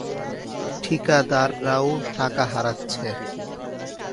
ঠিকাদাররাও টাকা হারাচ্ছে।